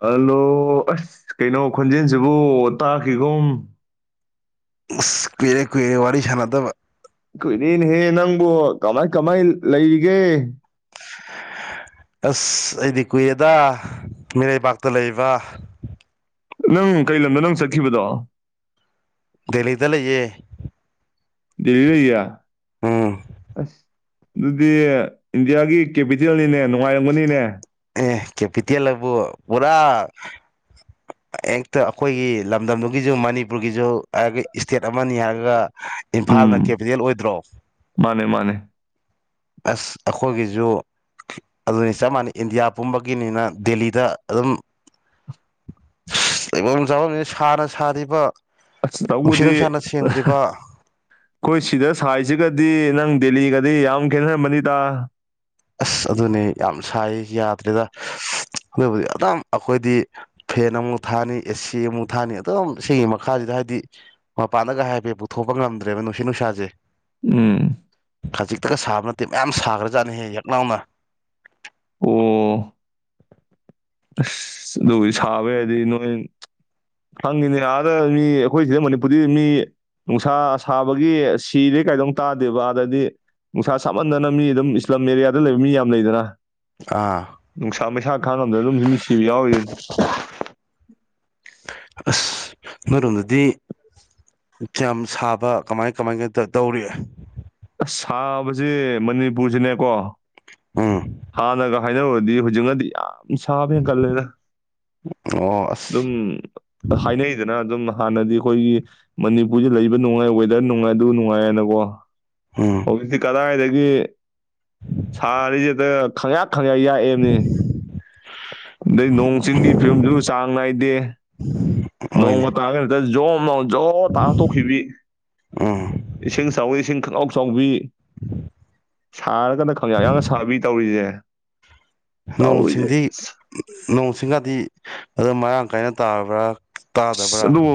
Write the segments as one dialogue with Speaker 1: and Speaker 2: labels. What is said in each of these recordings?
Speaker 1: Hello ꯑꯁ ꯀꯩꯅꯣ ꯈꯣꯟꯖꯦꯟꯁꯤꯕꯨ ꯇꯥꯈꯤꯒꯨꯝ
Speaker 2: ꯑꯁ ꯀꯨꯏꯔꯦ ꯀꯨꯏꯔꯦ ꯋꯥꯔꯤ ꯁꯥꯟꯅꯗꯕ
Speaker 1: ꯀꯨꯏꯔꯦꯅꯦꯍꯦ ꯅꯪꯕꯨ ꯀꯃꯥꯏ ꯀꯃꯥꯏ ꯂꯩꯔꯤꯒꯦ
Speaker 2: ꯑꯁ ꯑꯩꯗꯤ ꯀꯨꯏꯌꯦꯗ ꯃꯤꯔꯩꯕꯥꯛꯇ ꯂꯩꯕ
Speaker 1: ꯅꯪ ꯀꯩ ꯂꯝꯗꯣ ꯅꯪ ꯆꯠꯈꯤꯕꯗꯣ
Speaker 2: ꯗꯦꯂꯤꯗ ꯂꯩ ꯌꯦ
Speaker 1: ꯗꯦꯂꯤ ꯂꯩꯌꯦ ꯑꯁ ꯑꯗꯨꯗꯤ ꯏꯟꯗꯤꯌꯥꯒꯤ ꯀꯦꯄꯤꯇꯦꯜꯅꯤꯅꯦ ꯅꯨꯡꯉꯥꯏꯔꯝꯒꯅꯤꯅꯦ
Speaker 2: ꯑꯦ ꯀꯦꯄꯤꯇꯦꯜꯕꯨ ꯄꯨꯔꯥ ꯍꯦꯛꯇ ꯑꯩꯈꯣꯏꯒꯤ ꯂꯝꯗꯝꯗꯨꯒꯤꯁꯨ ꯃꯅꯤꯄꯨꯔꯒꯤꯁꯨ ꯍꯥꯏꯔꯒ ꯏꯁꯇꯦꯠ ꯑꯃꯅꯤ ꯍꯥꯏꯔꯒ꯫ ꯏꯝꯐꯥꯜꯅ
Speaker 1: ꯎꯝ
Speaker 2: ꯀꯦꯄꯤꯇꯦꯜ ꯑꯣꯏꯗ꯭ꯔꯣ
Speaker 1: ꯃꯥꯅꯦ ꯃꯥꯅꯦ
Speaker 2: ꯑꯁ ꯑꯩꯈꯣꯏꯒꯤꯁꯨ ꯑꯗꯨꯅꯤ ꯆꯞ ꯃꯥꯟꯅꯩ ꯏꯟꯗꯤꯌꯥ ꯄꯨꯝꯕꯒꯤꯅꯤꯅ ꯗꯦꯜꯂꯤꯗ ꯑꯗꯨꯝ ꯂꯩ ꯆꯥꯐꯝꯅꯦ ꯁꯥꯅ ꯁꯥꯔꯤꯕ
Speaker 1: ꯑꯁ
Speaker 2: ꯅꯨꯡꯁꯤꯠ
Speaker 1: ꯇꯧꯕꯨꯗꯤ
Speaker 2: ꯅꯨꯡꯁꯥꯅ
Speaker 1: ꯑ ꯍ
Speaker 2: ꯁꯦꯡꯗ꯭ꯔꯤꯕ
Speaker 1: ꯑꯩꯈꯣꯏ ꯁꯤꯗ ꯁꯥꯔꯤꯁꯤꯒꯗꯤ ꯅꯪ ꯗꯦꯜꯂꯤꯒꯗꯤ ꯌꯥꯝ ꯈꯦꯠꯅꯔꯝꯃꯅꯤꯗ
Speaker 2: ꯑꯁ ꯑꯗꯨꯅꯦ ꯌꯥꯝ ꯁꯥꯏꯌꯦ ꯌꯥꯗ꯭ꯔꯦꯗ ꯑꯗꯨꯕꯨꯗꯤ ꯑꯗꯨꯝ ꯑꯩꯈꯣꯏꯗꯤ ꯐꯦꯟ ꯑꯃꯨꯛ ꯊꯥꯅꯤ ꯑꯦꯁꯤ ꯑꯃꯨꯛ ꯊꯥꯅꯤ ꯑꯗꯨꯝ ꯁꯤꯒꯤ ꯃꯈꯥꯁꯤꯗ ꯍꯥꯏꯕꯗꯤ ꯃꯄꯥꯟꯗꯒ ꯍꯥꯏꯐꯦꯠ ꯄꯨꯊꯣꯛꯄ ꯉꯝꯗ꯭ꯔꯦꯕ ꯅꯨꯡꯁꯤꯠ ꯅꯨꯡꯁꯥꯁꯦ
Speaker 1: ꯎꯝ
Speaker 2: ꯈꯖꯤꯛꯇꯒ ꯁꯥꯕ ꯅꯠꯇꯦ ꯃꯌꯥꯝ ꯁꯥꯒ꯭ꯔꯖꯥꯠꯅꯦꯍꯦ ꯅꯥꯎꯅ
Speaker 1: ꯑꯣ ꯑꯁ ꯑꯗꯨꯕꯨꯗꯤ ꯁꯥꯕ ꯍꯥꯏꯔꯗꯤ ꯅꯣꯏ ꯈꯪꯅꯤ ꯑꯥꯗ ꯃꯤ ꯑꯩꯈꯣꯏ ꯁꯤꯗ ꯃꯅꯤꯄꯨꯔꯗꯤ ꯃꯤ ꯅꯨꯡꯁꯥ ꯁꯥꯕꯒꯤ ꯁꯤꯔꯦ ꯀꯥꯏꯗꯣ ꯑꯝꯨꯛ ꯇꯥꯗꯦꯕ ꯑꯥꯗꯗꯤ ꯅꯨꯡꯁꯥ ꯁꯥꯃꯟꯗꯅ ꯃꯤ ꯑꯗꯨꯝ ꯏꯁꯂꯝ ꯑꯦꯔꯤꯌꯥꯗ ꯂꯩꯕ ꯃꯤ ꯌꯥꯝ ꯂꯩꯗꯅ
Speaker 2: ꯑꯥ
Speaker 1: ꯅꯨꯡꯁꯥ ꯃꯩꯁꯥ ꯈꯥꯡ ꯑꯗꯨꯝ ꯃꯤ ꯁꯤꯕ ꯌꯥꯎꯔꯤꯕꯅꯤ
Speaker 2: ꯑꯁ ꯅꯣꯏꯔꯣꯝꯗꯗꯤ ꯌꯥꯝ ꯁꯥꯕ ꯀꯃꯥꯏ ꯀꯃꯥꯏ ꯀ ꯇꯧꯔꯤ
Speaker 1: ꯑꯁ ꯁꯥꯕꯖꯦ ꯃꯅꯤꯄꯨꯔꯁꯤꯅꯦꯀꯣ
Speaker 2: ꯎꯝ
Speaker 1: ꯍꯥꯟꯅꯒ ꯍꯥꯏꯅꯔꯨꯔꯗꯤ ꯍꯧꯖꯤꯛꯅꯗꯤ ꯌꯥꯝ ꯁꯥꯕ ꯍꯦꯟꯒꯠꯂꯦꯗ
Speaker 2: ꯑꯣ
Speaker 1: ꯑꯗꯨꯝ
Speaker 2: ꯑꯁ
Speaker 1: ꯍꯥꯏꯅꯩꯗꯅ ꯑꯗꯨꯝ ꯍꯥꯟꯅꯗꯤ ꯑꯩꯈꯣꯏꯒꯤ ꯃꯅꯤꯄꯨꯔꯁꯦ ꯂꯩꯕ ꯅꯨꯡꯉꯥꯏ ꯋꯦꯗꯔ ꯅꯨꯡꯉꯥꯏ ꯑꯗꯨ ꯅꯨꯡꯉꯥꯏꯌꯦꯅꯀꯣ
Speaker 2: ꯎꯝ
Speaker 1: ꯍꯧꯖꯤꯛꯇꯤ ꯀꯗꯥꯏꯗꯩ ꯗꯒꯤ ꯁꯥꯔꯤꯁꯤꯗ ꯈꯪꯌꯥꯛ ꯈꯪꯉꯦ ꯌꯥꯛꯑꯦꯝꯤ ꯗꯩ ꯅꯣꯡ ꯆꯤꯡꯒꯤ ꯐꯤꯕꯝꯁꯨ ꯆꯥꯡ ꯅꯥꯏꯗꯦ
Speaker 2: ꯍꯣꯏꯅꯦ
Speaker 1: ꯅꯣꯡꯒ ꯇꯥꯔꯒꯅ ꯍꯛꯇ ꯖꯣꯔ ꯃꯣꯟ ꯖꯣ ꯔꯣ ꯇꯥꯔ ꯇꯣꯛꯈꯤꯕꯤ
Speaker 2: ꯎꯝ
Speaker 1: ꯏꯁꯤꯡ ꯆꯥꯎꯋꯤ ꯏꯁꯤꯡ [unintelligible] ꯆꯥꯎꯕꯤ
Speaker 2: [inaudible]
Speaker 1: ꯁꯥꯔꯒꯥꯅ ꯈꯪꯌꯥꯛ ꯌꯥꯛꯅ ꯁꯥꯕꯤ ꯇꯧꯔꯤꯁꯦ
Speaker 2: ꯅꯣꯡ
Speaker 1: ꯇꯧꯔꯤꯁꯦ
Speaker 2: ꯁꯤꯡꯗꯤ
Speaker 1: ꯑꯁ
Speaker 2: ꯅꯣꯡ ꯁꯤꯡꯒꯗꯤ ꯑꯗꯣ ꯃꯔꯥꯡ ꯀꯥꯏꯅ ꯇꯥꯕ꯭ꯔꯥ
Speaker 1: ꯏꯁ
Speaker 2: ꯇꯥꯗꯕ꯭ꯔꯥ
Speaker 1: ꯑꯗꯨꯕꯨ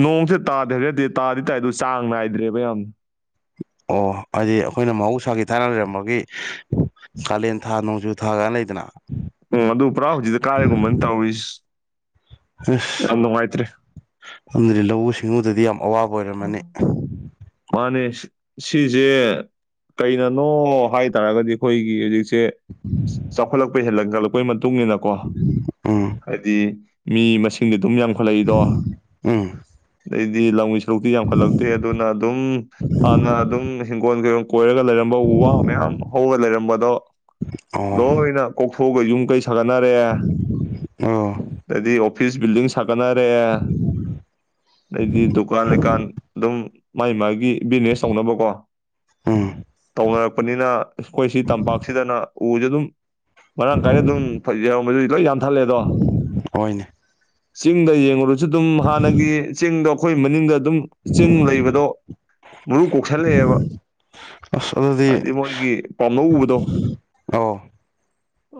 Speaker 1: ꯅꯣꯡꯁꯦ ꯇꯥꯗ꯭ꯔꯒꯗꯤ ꯇꯥꯗꯤ ꯇꯥꯏ ꯑꯗꯣ ꯆꯥꯡ ꯅꯥꯏꯗ꯭ꯔꯦꯕ ꯌꯥꯝꯅ
Speaker 2: ꯑꯣ ꯍꯥꯏꯗꯤ ꯑꯩꯈꯣꯏꯅ ꯃꯍꯧꯁꯥꯒꯤ ꯊꯥꯏꯅ ꯂꯩꯔꯝꯕꯒꯤ ꯀꯥꯂꯦꯟ ꯊꯥ ꯅꯣꯡꯖꯨ ꯊꯥ ꯀꯥꯏꯅ ꯂꯩꯗꯅ
Speaker 1: ꯎꯝ ꯑꯗꯣ ꯄꯨꯔꯥ ꯍꯧꯖꯤꯛꯇꯤ ꯀꯥꯏꯔꯒꯨꯝꯕꯅꯤ ꯇꯧꯔꯤꯁꯦ
Speaker 2: ꯑꯁ ꯑꯃꯗꯤ ꯂꯧꯎ ꯗꯦꯉꯨꯗꯗꯤꯌꯥꯝ ꯑꯋꯥꯕ ꯑꯣꯏꯔꯝꯃꯅꯤ
Speaker 1: ꯃꯥꯅꯦ ꯁꯤꯁꯦ ꯀꯩꯅꯅꯣ ꯍꯥꯏꯇꯥꯔꯒꯗꯤ ꯑꯩꯈꯣꯏꯒꯤ ꯍꯧꯖꯤꯛ ꯁꯦ ꯆꯥꯎꯈꯠꯂꯛꯄ ꯍꯦꯜꯂꯛ [unintelligible] ꯇꯨꯡꯅꯤꯅꯀꯣ
Speaker 2: ꯎꯝ
Speaker 1: ꯍꯥꯏꯗꯤ ꯃꯤ ꯃꯁꯤꯡꯗꯤ ꯑꯗꯨꯝ ꯌꯥꯝ ꯆꯥꯎꯈꯠꯂꯛꯏꯗꯣ
Speaker 2: ꯎꯝ
Speaker 1: ꯑꯗꯩꯗꯤ ꯂꯧ [unintelligible] ꯌꯥꯝꯈꯠꯂꯛꯇꯦ ꯑꯗꯨꯅ ꯑꯗꯨꯝ ꯍꯥꯟꯅ ꯑꯗꯨꯝ ꯍꯤꯡꯒꯣꯜ ꯀꯩꯀ ꯀꯣꯏꯔꯒ ꯂꯩꯔꯝꯕ ꯎ ꯋꯥ ꯃꯌꯥꯝ ꯍꯧꯔꯒ ꯂꯩꯔꯝꯕꯗꯣ
Speaker 2: ꯑꯣ
Speaker 1: ꯂꯣꯏꯅ ꯀꯣꯛ ꯑꯣꯒ ꯌꯨꯝ ꯀꯩ ꯁꯥꯒꯅꯔꯦ
Speaker 2: ꯑꯣ
Speaker 1: ꯑꯗꯩꯗꯤ ꯌꯣ ꯐꯤꯁ ꯕꯤꯜꯗꯤꯡ ꯁꯥ ꯀꯅꯥꯔꯦ ꯑꯩꯗꯤꯗꯨ ꯂꯩꯀꯥꯟ ꯑꯗꯨꯝ ꯃꯥꯏ ꯃꯥꯒꯤ ꯕꯤꯖꯤꯅꯦꯁ ꯇꯧꯅꯕꯀꯣ
Speaker 2: ꯎꯝ
Speaker 1: ꯇꯧꯅꯔꯛꯄꯅꯤꯅ ꯑꯩꯈꯣꯏ ꯁꯤ ꯇꯝꯄꯥꯛꯁꯤꯗꯅ ꯎꯁꯦ ꯑꯗꯨꯝ ꯃꯔꯥꯡ ꯀꯥꯏꯅ ꯑꯗꯨꯝ ꯐꯩ ꯃ ꯂꯣꯏ ꯌꯥꯟꯊꯠꯂꯦꯗꯣ
Speaker 2: ꯍꯣꯏꯅꯦ
Speaker 1: ꯆꯤꯡꯗ ꯌꯦꯡꯉꯨ ꯁꯨ ꯑꯗꯨꯝ ꯍꯥꯟꯅꯒꯤ ꯆꯤꯡꯗꯣ ꯑꯩꯈꯣꯏ ꯃꯅꯤꯡꯗ ꯑꯗꯨꯝ ꯆꯤꯡ ꯂꯩꯕꯗꯣ ꯃꯔꯨ ꯀꯣꯛꯁꯜꯂꯛꯑꯦꯕ
Speaker 2: ꯑꯁ ꯑꯗꯨꯗꯤ
Speaker 1: ꯍꯥꯏꯗꯤ ꯃꯣꯏꯒꯤ ꯄꯥꯝꯂꯧ ꯎꯕꯗꯣ
Speaker 2: ꯑꯧ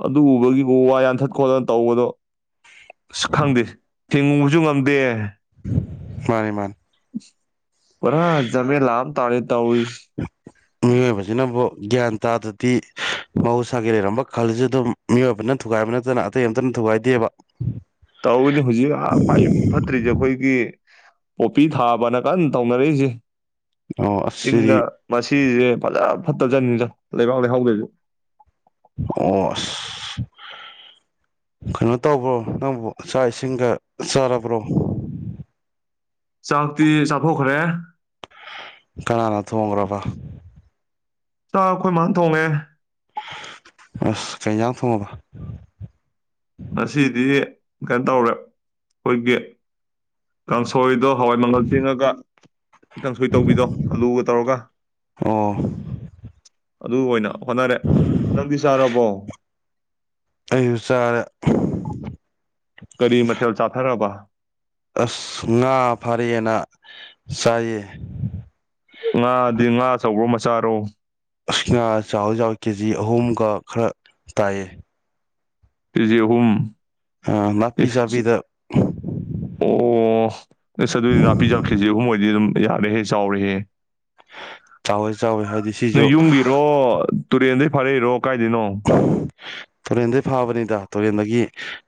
Speaker 1: ꯑꯗꯨ ꯎꯕꯒꯤꯕꯨ ꯎ ꯋꯥ ꯌꯥꯟꯊꯠ ꯈꯣꯠꯇꯅ ꯇꯧꯕꯗꯣ ꯁ ꯈꯪꯗꯦ ꯊꯤꯡꯉꯨꯕꯁꯨ ꯉꯝꯗꯦ꯫
Speaker 2: ꯃꯥꯅꯤ ꯃꯥꯅꯤ꯫
Speaker 1: ꯄꯨꯔꯥ ꯖꯃꯦꯂꯥ ꯑꯃ ꯇꯥꯔꯦ ꯇꯧꯔꯤꯁꯤ
Speaker 2: ꯃꯤꯑꯣꯏꯕꯁꯤꯅꯕꯨ ꯒ꯭ꯌꯥꯟ ꯇꯥꯗ꯭ꯔꯗꯤ ꯃꯍꯧꯁꯥꯒꯤ ꯂꯩꯔꯝꯕ ꯈꯜꯁꯨ ꯑꯗꯨꯝ ꯃꯤꯑꯣꯏꯕꯅ ꯊꯨꯒꯥꯏꯕ ꯅꯠꯇꯅ ꯑꯇꯩ ꯑꯝꯇꯅ ꯊꯨꯒꯥꯏꯗꯦꯕ꯫
Speaker 1: ꯇꯧꯅꯤ ꯍꯧꯖꯤꯛ ꯈ꯭ꯋꯥꯏ ꯐꯠꯇ꯭ꯔꯤꯁꯦ ꯑꯩꯈꯣꯏꯒꯤ ꯄꯣꯄꯤ ꯊꯥꯕꯅ ꯀꯟꯅ ꯇꯧꯅꯔꯛꯏꯁꯦ꯫
Speaker 2: ꯑꯣ ꯑꯁ ꯁꯤꯗꯤ
Speaker 1: ꯆꯤꯡꯒꯥ ꯃꯁ꯫ ꯁꯤꯁꯦ ꯐꯖ ꯐꯠꯇ ꯖꯥꯠꯅꯤꯗ ꯂꯩꯕꯥꯛ ꯂꯩꯍꯥꯎ ꯂꯩꯁꯨ
Speaker 2: ꯑꯣ ꯑꯁ ꯀꯩꯅꯣ ꯇꯧꯕ꯭ꯔꯣ ꯅꯪꯕꯨ ꯆꯥꯛ ꯏꯁꯤꯡꯒ ꯆꯥꯔꯕ꯭ꯔꯣ
Speaker 1: ꯆꯥꯛꯇꯤ ꯆꯥꯊꯣꯛꯈ꯭ꯔꯦ
Speaker 2: ꯀꯅꯥꯅ ꯊꯣꯡꯈ꯭ꯔꯕ
Speaker 1: ꯆꯥꯛ ꯑꯩꯈꯣꯏ ꯃꯅꯥ ꯊꯣꯡꯉꯦ
Speaker 2: ꯑꯁ ꯀꯩꯩ ꯍꯦꯟꯖꯥꯡ ꯊꯣꯡꯉꯥꯕ
Speaker 1: ꯉꯥꯁꯤꯗꯤ ꯀꯩꯅꯣ ꯇꯧꯔꯦ ꯑꯩꯈꯣꯏꯒꯤ ꯀꯥꯡꯁꯣꯏꯗꯣ ꯍꯋꯥꯏ ꯃꯪꯒꯜ ꯊꯤꯡꯉꯥꯒ ꯀꯥꯡꯁꯣꯏ ꯇꯧꯕꯤꯗꯣ ꯑꯂꯨꯒ ꯇꯧꯔꯒ
Speaker 2: ꯑꯣ
Speaker 1: ꯑꯗꯨ ꯑꯣꯏꯅ ꯍꯣꯠꯅꯔꯦ ꯅꯪꯗꯤ ꯆꯥꯥꯔꯕꯣ
Speaker 2: ꯑꯔꯦ ꯎꯝ
Speaker 1: ꯀꯔꯤ ꯃꯊꯦꯜ ꯆꯥꯊꯥꯔꯕ
Speaker 2: ꯑꯁ ꯉꯥ ꯐꯔꯛꯑꯦꯅ ꯆꯥꯏꯌꯦ
Speaker 1: ꯆꯥꯔꯣ
Speaker 2: ꯑꯁ ꯉꯥ ꯆꯥꯎꯗꯤ ꯆꯥꯥꯎꯋꯦ ꯀꯦ ꯖꯤ ꯑꯍꯨꯝꯒ ꯈꯔ ꯇꯥꯏꯌꯦ
Speaker 1: ꯀꯦꯖꯤ ꯑꯍꯨꯝ
Speaker 2: ꯑꯥ ꯅꯥꯄꯤ
Speaker 1: ꯏꯁ
Speaker 2: ꯆꯥꯕꯤꯗ ꯎꯝ
Speaker 1: ꯑꯣ ꯑꯁ ꯑꯗꯨꯗꯤ ꯅꯥꯄꯤ ꯆꯥꯕꯤ ꯀꯦꯖꯤ ꯑꯍꯨꯝ ꯑꯣꯢ ꯗꯤ ꯑꯗꯨꯝ ꯌꯥꯝꯃꯦꯍꯦ ꯆꯥꯎꯔꯦꯍꯦ
Speaker 2: ꯆꯥꯎꯋꯦ ꯆꯥꯎꯋꯦ ꯍꯥꯏꯗꯤ
Speaker 1: ꯅꯣꯏ
Speaker 2: ꯁꯤꯁꯨ
Speaker 1: ꯌꯨꯝꯒꯤꯔꯣ ꯇꯨ꯭ꯔꯔꯦꯟꯗꯩ ꯐꯥꯔꯛꯢꯔꯣ ꯀꯥꯏꯗꯩꯅꯣ
Speaker 2: ꯇꯨꯔꯦꯟꯗꯒꯤ ꯐꯥꯕꯅꯤꯗ ꯇꯨꯔꯦꯟꯗꯒꯤ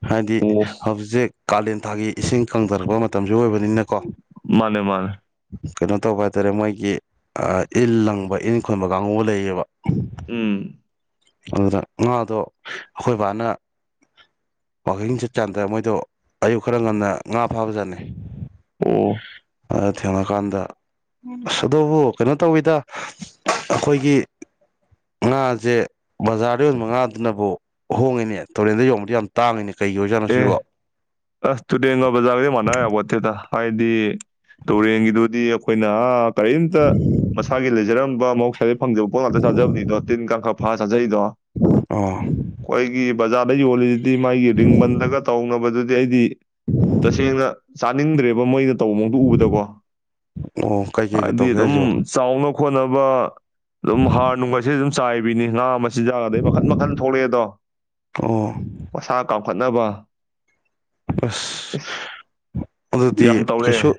Speaker 2: ꯍꯥꯏꯗꯤ
Speaker 1: ꯑꯣ
Speaker 2: ꯍꯧꯖꯤꯛ ꯀꯥꯂꯦꯟ ꯊꯥꯒꯤ ꯏꯁꯤꯡ ꯀꯪꯡꯊꯔꯛꯄ ꯃꯇꯝꯁꯨ ꯑꯣꯏꯕ ꯅꯤꯅꯀꯣ
Speaker 1: ꯃꯥꯅꯦ ꯃꯥꯅꯦ
Speaker 2: ꯀꯩꯅꯣ ꯇꯧꯕ ꯍꯥꯏꯇꯥꯔꯦ ꯃꯣꯏꯒꯤ ꯏꯟ ꯂꯪꯡꯕ ꯏꯟ ꯈꯣꯟꯕ ꯀꯥꯡꯒꯨꯒ ꯂꯩꯌꯦꯕ
Speaker 1: ꯎꯝ
Speaker 2: ꯑꯗꯨꯗ ꯉꯥꯗꯣ ꯑꯩꯈꯣꯏ ꯕꯥꯅ ꯋꯥꯛꯀꯤꯡ ꯆꯠ ꯆꯥꯟꯗ ꯃꯣꯏꯗꯣ ꯑꯌꯨꯛ ꯈꯔ ꯉꯟꯅ ꯉꯥ ꯐꯥꯕꯖꯥꯠꯅꯦ
Speaker 1: ꯑꯣ
Speaker 2: ꯑꯗ ꯊꯦꯡꯅꯀꯥꯟꯗ ꯑꯁ ꯑꯗꯨꯕꯨ ꯀꯩꯅꯣ ꯇꯧꯋꯤꯗ ꯑꯩꯈꯣꯏꯒꯤ ꯉꯥꯁꯦ ꯕꯖꯥꯔꯗ ꯌꯣꯟꯕ ꯉꯥꯗꯨꯅꯕꯨ ꯍꯣꯡꯉꯤꯅꯦ ꯇꯨꯔꯦꯟꯗ ꯌꯣꯟꯕꯗꯤ ꯌꯥꯝ ꯇꯥꯡꯉꯤꯅꯦ ꯀꯩꯒꯤ ꯑꯣꯏꯖꯥꯠꯅꯣ
Speaker 1: ꯑꯦ
Speaker 2: ꯁꯤꯕꯣ
Speaker 1: ꯑꯁ ꯇꯨꯔꯦꯟꯒ ꯕꯖꯥꯔꯒꯗꯤ ꯃꯥꯟꯅꯕ ꯌꯥꯄꯣꯠꯇꯦꯗ ꯍꯥꯏꯗꯤ ꯇꯨꯔꯦꯟꯒꯤꯗꯨꯗꯤ ꯑꯩꯈꯣꯏꯅ ꯑꯥ ꯀꯔꯤꯝꯇ ꯃꯁꯥꯒꯤ ꯂꯩꯖꯔꯝꯕ ꯑꯗꯩ ꯐꯪꯡꯖꯕ ꯄꯣꯠ ꯉꯥꯛꯇ ꯆꯥꯖꯕꯅꯤꯗꯣ ꯇꯤꯟ ꯀꯥꯡ ꯈꯔꯥ ꯐꯥ ꯐꯔꯥ ꯗꯩꯗꯣ
Speaker 2: ꯑꯣ
Speaker 1: ꯑꯩꯈꯣꯏꯒꯤ ꯕꯖꯥꯔꯗ ꯍꯣꯂꯤ ꯗꯨꯗꯤ ꯃꯥꯥꯏꯒꯤ ꯔꯤꯡꯃꯟ ꯂꯒ ꯇꯧꯅꯕꯗꯨꯗꯤ ꯑꯩꯗꯤ ꯇꯁꯦꯡꯅ ꯇꯥꯅꯤꯡꯗ꯭ꯔꯦꯕ ꯃꯣꯏꯗ ꯇꯧꯃꯕꯨ ꯎꯕꯗꯀꯣ
Speaker 2: ꯑꯣ ꯀꯩ ꯀꯩꯒ
Speaker 1: ꯍꯥꯏꯕꯗꯤ
Speaker 2: ꯇꯧꯒꯦ ꯍꯥꯏꯁꯤꯕꯣ
Speaker 1: ꯑꯗꯨꯝ ꯆꯥꯎꯅ ꯈꯣꯠꯅꯕ ꯑꯗꯨꯝ ꯍꯥꯔ ꯅꯨꯡꯒꯁꯦ ꯑꯗꯨꯝ ꯆꯥꯏꯕꯤꯅꯦ ꯉꯥ ꯃ ꯆꯤꯟꯖꯥ ꯑꯗꯩ ꯃꯈꯟ ꯃꯈꯟ ꯊꯣꯛꯂꯛꯑꯦꯗꯣ
Speaker 2: ꯑꯣ
Speaker 1: ꯃꯁꯥ ꯀꯥꯎ ꯍꯣꯠꯅꯕ [inaudible]
Speaker 2: ꯑꯁ ꯑꯗꯨꯗꯤ
Speaker 1: ꯌꯥꯝ ꯇꯧꯔꯦ
Speaker 2: ꯀꯩꯁꯨ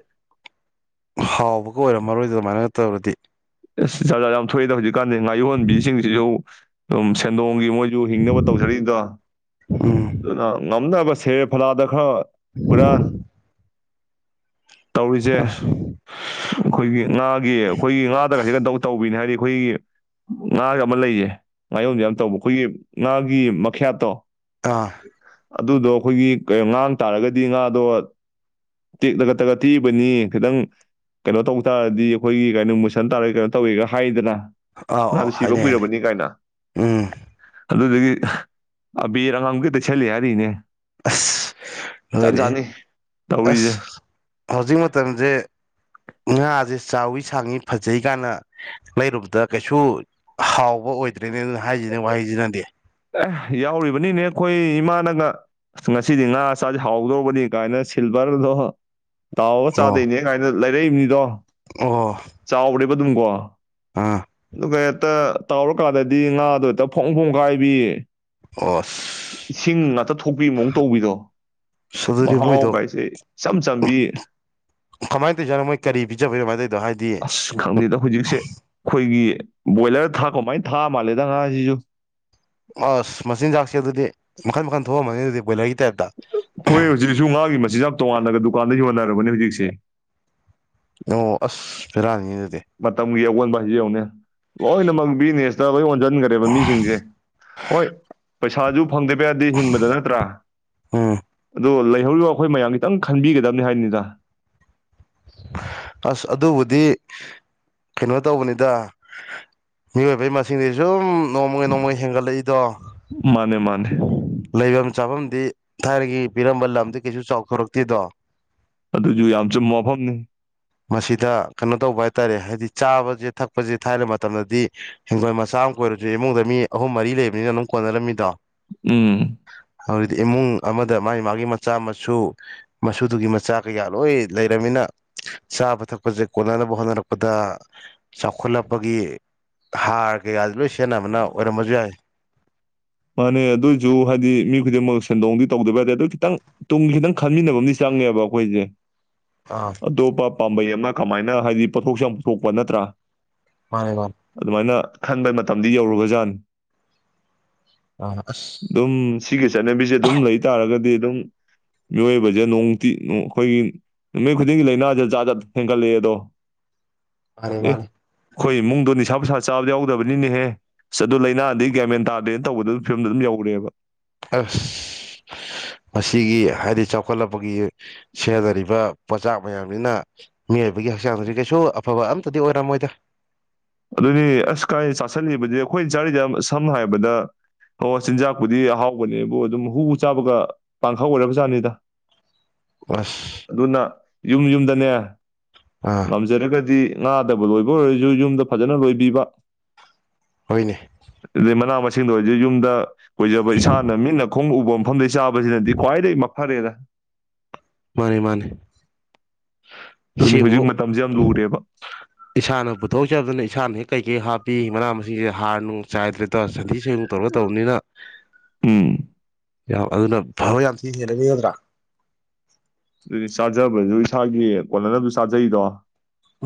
Speaker 2: ꯍꯥꯎꯕꯒ ꯑꯣꯏꯔꯝꯃꯔꯣꯏꯗ ꯑꯗꯨꯃꯥꯏꯅ ꯇꯧꯔꯗꯤ
Speaker 1: ꯑꯁ ꯖꯥꯠ ꯖꯥꯠ ꯌꯥꯝ ꯊꯣꯛꯏꯗ ꯍꯧꯖꯤꯛ ꯀꯥꯟꯗꯦ ꯉꯥ ꯌꯣꯟꯕꯤꯁꯤꯡꯁꯤꯁꯨ ꯑꯗꯨꯝ ꯁꯦꯟꯗꯣꯡ ꯒꯤ ꯃꯣꯏꯁꯨ ꯍꯤꯡꯅꯕ ꯇꯧꯖꯔꯛꯏꯗꯣ
Speaker 2: ꯎꯝ
Speaker 1: ꯑꯗꯨꯅ ꯉꯝꯅꯕ ꯁꯦꯔꯦ ꯐꯂꯗ ꯈ꯭ꯔ ꯍꯨꯔꯥꯟ ꯇꯧꯔꯤꯁꯦ
Speaker 2: ꯑꯁ
Speaker 1: ꯑꯩꯈꯣꯏꯒꯤ ꯉꯥꯒꯤ ꯈꯣꯏꯒꯤ ꯉꯥꯒꯤ ꯑꯃ ꯂꯩꯌꯦ ꯉꯥ ꯌꯣꯟꯕꯤ ꯌꯥꯝ ꯇꯧꯕ ꯑꯩꯈꯣꯏꯒꯤ ꯉꯥꯒꯤ ꯃꯈꯌꯥꯠꯇꯣ
Speaker 2: ꯑ
Speaker 1: ꯑꯗꯨꯗꯣ ꯑꯩꯈꯣꯏꯒꯤ ꯀꯩꯅꯣ ꯉꯥꯃꯝ ꯇꯥꯔꯒꯗꯤ ꯉꯥꯗꯣ ꯇꯦꯛꯂꯒ ꯇꯒꯠ ꯇꯦꯛꯏꯕꯣ ꯅꯤꯉꯦ ꯈꯇꯪ ꯀꯩꯅꯣ ꯇꯧ ꯇꯥꯔꯗꯤ ꯑꯩꯈꯣꯏꯒꯤ ꯀꯩꯅꯣ ꯃꯨꯁꯟ ꯇꯥꯔꯦꯒ ꯇꯧꯋꯦꯒ ꯍꯥꯏꯗꯅ
Speaker 2: ꯑꯥ
Speaker 1: ꯍꯅ
Speaker 2: ꯑꯣ
Speaker 1: ꯁꯤꯕ
Speaker 2: ꯍꯥꯏꯅꯩ ꯍꯥꯏꯅꯩ
Speaker 1: ꯀꯨꯏꯔꯕꯅꯤ ꯀꯥꯏꯅ
Speaker 2: ꯎꯝ
Speaker 1: ꯑꯗꯨꯗꯒꯤ ꯑꯕꯤꯔ ꯑꯉꯥꯡꯕꯗ ꯇꯩꯁꯤꯜꯂꯤ ꯍꯥꯏꯔꯤꯅꯦ
Speaker 2: ꯑꯁ
Speaker 1: ꯖꯥꯠ
Speaker 2: ꯂꯣꯏꯔꯦ
Speaker 1: ꯖꯥꯠꯅꯤ
Speaker 2: ꯑꯁ
Speaker 1: ꯇꯧꯔꯤꯁꯦ
Speaker 2: ꯍꯧꯖꯤꯛ ꯃꯇꯝꯖꯦ ꯉꯥꯁꯦ ꯆꯥꯎꯋꯤ ꯁꯥꯡꯏꯤ ꯐꯖꯩ ꯀꯥꯏꯅ ꯂꯩꯔꯨꯕꯗ ꯀꯩꯁꯨ ꯍꯥꯎꯕ ꯑꯣꯏꯗ꯭ꯔꯦꯅꯦ ꯑꯗꯨꯅ ꯍꯥꯏꯁꯤꯅꯦ ꯋꯥꯍꯩꯁꯤꯅꯗꯤ
Speaker 1: ꯑꯦ ꯌꯥꯎꯔꯤꯕꯅꯤꯅꯦ ꯑꯩꯈꯣꯏ ꯏꯃꯥꯅꯒ ꯉꯁꯤꯗꯤ ꯉꯥ ꯆꯥꯁꯤ ꯍꯥꯎꯗꯧꯔꯕꯅꯤ ꯀꯥꯏꯅ ꯁꯤꯜꯚꯔꯗꯣ ꯇꯥꯎꯔꯒ
Speaker 2: ꯑꯣ
Speaker 1: ꯆꯥꯗꯣꯏꯅꯦ ꯀꯥꯏꯅ ꯂꯩ ꯇꯩ ꯃꯤꯗꯣ
Speaker 2: ꯑꯣ
Speaker 1: ꯑꯗꯨꯗꯨꯝꯀꯣ
Speaker 2: ꯑꯥ
Speaker 1: ꯍꯦꯛꯇ ꯇꯥꯎꯔꯀꯥꯟꯗꯗꯤ ꯉꯥꯗꯣ ꯍꯦꯛꯇ ꯐꯣꯡ ꯐꯣꯡꯀꯥꯏꯕꯤ
Speaker 2: ꯑꯣ ꯑꯁ
Speaker 1: ꯏꯁꯤꯡ ꯉꯥꯛꯇ ꯊꯣꯛꯄꯤ ꯃꯑꯣꯡ ꯇꯧꯕꯤꯗꯣ
Speaker 2: ꯑꯗꯨꯗꯤ
Speaker 1: ꯃꯍꯥꯎ
Speaker 2: ꯃꯣꯏꯗꯣ
Speaker 1: ꯀꯥꯏꯁꯦ ꯏꯆꯝ ꯆꯝꯕꯤ
Speaker 2: ꯀꯃꯥꯏꯅ ꯇꯧꯔꯤꯖꯥꯠꯅꯣ ꯃꯣꯏ ꯀꯔꯤ ꯄꯤꯖꯕꯩꯅꯣ ꯃꯥꯏ ꯇꯧꯏꯗꯣ ꯍꯥꯏꯗꯤ
Speaker 1: ꯑꯁ ꯈꯪꯗꯦꯗ ꯍꯧꯖꯤꯛꯁꯦ ꯑꯩꯈꯣꯏꯒꯤ ꯕꯣꯏꯂꯔ ꯊꯥꯛꯄ ꯀꯃꯥꯏꯅ ꯊꯥ ꯃꯥꯜꯂꯦꯗ ꯉꯥꯁꯤꯁꯨ
Speaker 2: ꯑꯁ ꯃꯆꯤꯟꯖꯥꯛꯁꯦ ꯑꯗꯨꯗꯤ ꯃꯈꯟ ꯃꯈꯟ ꯊꯣꯛꯑꯝꯃꯅꯤ ꯑꯗꯨꯗꯤ ꯀꯣꯏꯂ
Speaker 1: ꯍꯣꯏ ꯍꯧꯖꯤꯛꯁꯨ ꯃꯥꯒꯤ ꯃ ꯃꯆꯤꯟꯖꯥꯛ ꯇꯣꯉꯥꯟꯅꯒ ꯗꯨꯀꯥꯟꯗ ꯌꯣꯜꯅꯔꯕꯅꯦ ꯍꯧꯖꯤꯛꯁꯦ
Speaker 2: ꯑꯣ ꯑꯁ ꯕꯦꯔꯥꯅꯤ ꯑꯗꯨꯗꯤ
Speaker 1: ꯃꯇꯝꯒꯤ ꯑꯑꯣꯟ ꯕꯁꯦ ꯌꯥꯎꯅꯦ ꯂꯣꯏꯅꯃꯛ ꯕꯤꯖꯤꯅꯦꯁꯇ ꯂꯣꯏ ꯑꯣꯟꯁꯤꯟꯈꯔꯦꯕ ꯃꯤꯁꯤꯡꯁꯦ ꯍꯣꯏ ꯄꯩꯁꯥ ꯁꯨ ꯐꯪꯗꯦꯕ ꯌꯥꯗꯤ ꯍꯤꯡꯕꯗ ꯅꯠꯇ꯭ꯔꯥ
Speaker 2: ꯎꯝ
Speaker 1: ꯑꯗꯨ ꯍꯧꯔꯤꯕ ꯑꯩꯈꯣꯏ ꯃꯌꯥꯝ ꯈꯤꯇꯪ ꯈꯟꯕꯤꯒꯗꯕꯅꯤ ꯍꯥꯏꯅꯤꯗ
Speaker 2: ꯑꯁ ꯑꯗꯨꯕꯨꯗꯤ ꯀꯩꯅꯣ ꯇꯧꯕꯅꯤꯗ ꯃꯤꯑꯣꯏꯕꯩ ꯃꯁꯤꯡꯗꯤ ꯁꯨꯝ ꯅꯣꯡꯃꯒꯒꯤ ꯅꯣꯡꯃꯒꯤ ꯍꯦꯟꯒꯠꯂꯛꯏꯗꯣ
Speaker 1: ꯃꯥꯅꯦ ꯃꯥꯅꯦ
Speaker 2: ꯂꯩꯐꯝ ꯆꯥꯐꯝꯗꯤ ꯊꯥꯏꯅꯒꯤ ꯄꯤꯔꯝꯕ ꯂꯝꯗꯤ ꯀꯩꯁꯨ ꯆꯥꯎꯊꯣꯔꯛꯇꯦꯗꯣ
Speaker 1: ꯑꯗꯨꯁꯨ ꯌꯥꯝ ꯆꯨꯝꯕ ꯃꯐꯝꯅꯤ
Speaker 2: ꯃꯁꯤꯗ ꯀꯩꯅꯣ ꯇꯧꯕ ꯍꯥꯏꯇꯥꯔꯦ ꯍꯥꯏꯗꯤ ꯆꯥꯕꯁꯦ ꯊꯛꯄꯁꯦ ꯊꯥꯏꯕ ꯃꯇꯝꯗꯗꯤ ꯍꯤꯡꯒꯣꯜ ꯃꯆꯥ ꯑꯃ ꯀꯣꯏꯔꯁꯨ ꯏꯃꯨꯡꯗ ꯃꯤ ꯑꯍꯨꯝ ꯃꯔꯤ ꯂꯩꯕꯅꯤꯅ ꯑꯗꯨꯝ ꯀꯣꯟꯅꯔꯝꯃꯤꯗꯣ
Speaker 1: ꯎꯝ
Speaker 2: ꯍꯧꯖꯤꯛꯇꯗꯤ ꯏꯃꯨꯡ ꯑꯃꯗ ꯃꯥꯒꯤ ꯃꯥꯒꯤ ꯃꯆꯥ ꯃꯁꯨ ꯃꯁꯨꯗꯨꯒꯤ ꯃꯆꯥ ꯀꯌꯥ ꯂꯣꯏ ꯂꯩꯔꯕꯃꯤꯅ ꯆꯥꯕ ꯊꯛꯄꯁꯦ ꯀꯣꯟꯅꯅꯕ ꯍꯣꯠꯅꯔꯛꯄꯗ ꯆꯥꯎꯈꯠꯂꯛꯄꯒꯤ ꯍꯥꯔ ꯀꯌꯥꯁꯦ ꯂꯣꯏ ꯁꯦꯟꯅꯕꯅ ꯑꯣꯏꯔꯝꯕꯁꯨ ꯌꯥꯏ
Speaker 1: ꯃꯥꯅꯦ ꯑꯗꯨꯑꯣꯏꯁꯨ ꯍꯥꯏꯗꯤ ꯃꯤ ꯈꯨꯗꯤꯡꯃꯛ ꯁꯦꯟꯗꯣꯡꯗꯤ ꯇꯧꯗꯕ ꯌꯥꯗꯦ ꯑꯗꯨ ꯈꯤꯇꯪ ꯇꯨꯡꯒꯤ ꯈꯤꯇꯪ ꯈꯟꯃꯤꯟꯅꯕ ꯑꯃꯗꯤ ꯆꯪꯉꯦꯕ ꯑꯩꯈꯣꯏꯁꯦ
Speaker 2: ꯑꯥ
Speaker 1: ꯑꯇꯣꯞꯄ ꯄꯥꯝꯕꯩ ꯑꯃ ꯀꯃꯥꯏꯅ ꯍꯥꯏꯗꯤ ꯄꯣꯠꯊꯣꯛꯁꯨ ꯌꯥꯝ ꯄꯨꯊꯣꯛꯄ ꯅꯠꯇ꯭ꯔꯥ
Speaker 2: ꯃꯥꯅꯦ ꯃꯥꯅꯦ
Speaker 1: ꯑꯗꯨꯃꯥꯏꯅ ꯈꯟꯕꯩ ꯃꯇꯝ ꯌꯧꯔꯨꯔꯕ ꯖꯥꯠꯅꯤ
Speaker 2: ꯑꯥ ꯑꯁ
Speaker 1: ꯑꯗꯨꯝ ꯁꯤꯒꯤ ꯆꯠꯅꯕꯤꯁꯦ ꯑꯗꯨꯝ ꯂꯩ ꯇꯥꯔꯒꯗꯤ ꯑꯗꯨꯝ ꯃꯤꯑꯣꯏꯕꯁꯦ ꯅꯣꯡꯇꯤ ꯑꯩꯈꯣꯏꯒꯤ ꯅꯨꯃꯤꯠ ꯈꯨꯗꯤꯡꯒꯤ ꯂꯥꯏꯅꯥꯁ ꯖꯥꯠ ꯖꯠ ꯍꯦꯟꯒꯠꯂꯛꯑꯦ ꯑꯗꯣ
Speaker 2: ꯃꯥꯅꯦ ꯃꯥꯅꯦꯦ
Speaker 1: ꯑꯩꯈꯣꯏ ꯏꯃꯨꯡꯗꯣ ꯅꯤꯁꯥ ꯄꯨꯁꯥ ꯆꯥꯕꯗ ꯌꯥꯎꯗꯕꯅꯤꯅꯦꯍꯦ ꯑꯗꯨ ꯂꯥꯏꯅꯥꯗꯩ ꯒꯌꯥꯃꯦꯟ ꯇꯥꯗꯦ ꯇꯧꯕꯗ ꯐꯤꯕꯝꯗ ꯑꯗꯨꯝ ꯌꯧꯒꯔꯦꯕ
Speaker 2: ꯑꯁ ꯃꯁꯤꯒꯤ ꯍꯥꯏꯗꯤ ꯆꯥꯎꯈꯠꯂꯛꯄꯒꯤ ꯁꯦꯟꯅꯔꯤꯕ ꯄꯣꯠꯆꯥꯛ ꯃꯌꯥꯝꯅꯤꯅ ꯃꯤꯑꯣꯏꯕꯒꯤ ꯍꯛꯆꯥꯡꯁꯨ ꯀꯩꯁꯨ ꯑꯐꯕ ꯑꯃꯇꯗꯤ ꯑꯣꯏꯔꯝꯃꯣꯏꯗ
Speaker 1: ꯑꯗꯨꯅꯤ ꯑꯁ ꯀꯥꯏ ꯆꯥꯥꯁꯜꯂꯤꯕꯗꯤ ꯑꯩꯈꯣꯏꯅ ꯆꯥꯔꯤꯗ ꯁꯝꯅ ꯍꯥꯏꯔꯕꯗ ꯍ ꯆꯤꯟꯖꯥꯛꯄꯨꯗꯤ ꯑꯍꯥꯎꯕꯅꯦꯕꯨ ꯑꯗꯨꯝ ꯍꯨ ꯆꯥꯕꯒ ꯄꯥꯡꯈꯛ ꯑꯣꯏꯔꯕꯖꯥꯠꯅꯤꯗ ꯑꯗꯨꯅ
Speaker 2: ꯑꯁ
Speaker 1: ꯌꯨꯝ ꯌꯨꯝꯗꯅꯦ
Speaker 2: ꯑꯥ
Speaker 1: ꯉꯝꯖꯔꯒꯗꯤ ꯉꯥꯗꯕ ꯂꯣꯏꯕ ꯂꯣꯏꯕ ꯑꯣꯏꯔꯁꯨ ꯌꯨꯝꯗ ꯐꯖꯅ ꯂꯣꯏꯕꯤꯕ
Speaker 2: ꯍꯣꯏꯅꯦ
Speaker 1: ꯃꯅꯥ ꯃꯁꯤꯡ ꯁꯤ ꯂꯣꯏꯗꯤ ꯌꯨꯝꯗ ꯀꯣꯏꯖꯕ ꯏꯁꯥꯅ ꯃꯤꯅ ꯈꯣꯡ ꯎꯕ ꯃꯐꯝꯗ ꯆꯥꯕ ꯁꯤꯅꯗꯤ ꯈ꯭ꯋꯥꯏꯗꯒꯤ ꯐꯔꯦꯗ ꯑꯗꯨꯅꯤ ꯍꯧꯖꯤꯛ
Speaker 2: ꯁꯤꯃꯨꯛ
Speaker 1: ꯃꯇꯝꯁꯦ ꯌꯥꯝ ꯂꯨꯔꯦꯕ
Speaker 2: ꯏꯁꯥꯅ ꯄꯨꯊꯣꯛꯆꯕꯅ ꯏꯁꯥꯅ ꯍꯦꯛ ꯀꯩ ꯀꯩ ꯍꯥꯞꯄꯤ ꯃꯅꯥ ꯃꯁꯤꯡꯁꯦ ꯍꯥꯔ ꯅꯨꯡ ꯆꯥꯏꯗ꯭ꯔꯦ ꯇ ꯁꯟꯊꯤ ꯆꯦꯡ ꯇꯧꯔ ꯇꯧꯕꯅꯤꯅ
Speaker 1: ꯎꯝ
Speaker 2: ꯌꯥꯝ ꯑꯗꯨꯅ ꯐꯕ ꯌꯥꯝ ꯊꯤ ꯍꯦꯟꯂꯅꯤ ꯅꯠꯇ꯭ꯔꯥ
Speaker 1: ꯑꯗꯨꯗꯤ ꯆꯥꯖꯕꯁꯨ ꯏꯁꯥꯒꯤ ꯀꯣꯟꯅꯅꯕ ꯆꯥꯖꯩꯗꯣ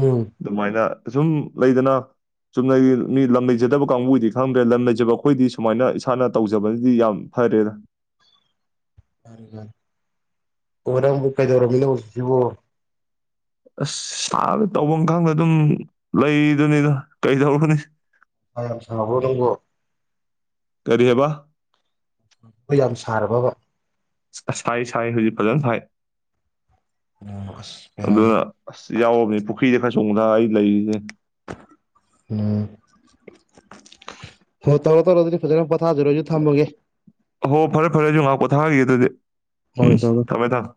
Speaker 2: ꯎꯝ
Speaker 1: ꯑꯗꯨꯃꯥꯏꯅ ꯁꯨꯝ ꯂꯩꯗꯅ ꯆꯨꯝꯅꯒꯤ ꯃꯤ ꯂꯝ ꯂꯩꯗꯅ ꯀꯥꯡꯕꯨꯗꯤ ꯈꯪꯗ꯭ꯔꯦ ꯂꯝ ꯂꯩꯖꯕ ꯑꯩꯈꯣꯏꯗꯤ ꯁꯨꯃꯥꯏꯅ ꯏꯁꯥꯅ ꯇꯧꯖꯕꯅꯗꯤ ꯌꯥꯝ ꯐꯔꯦꯗ
Speaker 2: ꯑꯣꯅꯪꯕꯨ ꯀꯥꯏꯗꯧꯔꯝꯃꯤ ꯁꯤꯕꯣ
Speaker 1: ꯑꯁ ꯁꯥꯕ ꯇꯧꯐꯝ ꯈꯪꯗ ꯑꯗꯨꯝ ꯂꯩꯗꯨꯅꯤꯗ ꯀꯩꯗꯧꯔꯨꯅꯤ
Speaker 2: ꯍ ꯁꯪꯉꯥꯕꯣ ꯅꯪꯕꯣ
Speaker 1: ꯀꯔꯤꯍꯦꯕ
Speaker 2: ꯑꯩ ꯌꯥꯝ ꯁꯥꯔꯕꯕ
Speaker 1: ꯁꯥꯏ ꯁꯥꯏ ꯍꯧꯖꯤꯛ ꯐꯖꯅ ꯁꯥꯏ
Speaker 2: ꯑꯁ ꯕꯦꯔꯥꯅꯦ
Speaker 1: ꯁꯤ ꯌꯥꯎꯔꯕꯕꯅꯤ ꯄꯨꯈ꯭ꯔꯤꯁꯦ ꯈꯔ ꯆꯣꯡꯗ ꯑꯩ ꯂꯩꯔꯤꯁꯦ
Speaker 2: ꯎ ꯍꯣ ꯇꯧꯔꯣ ꯇꯧꯔꯣ ꯐꯖꯅ ꯊꯥꯖꯔꯣ ꯑꯩꯁꯨ ꯊꯝꯃꯒꯦ
Speaker 1: ꯄꯣꯊꯥꯒꯤꯒꯦ ꯑꯗꯨꯗꯤ ꯎꯝ
Speaker 2: ꯍꯣꯏ ꯇꯧꯔꯣ
Speaker 1: ꯊꯃꯦ ꯊꯃꯦ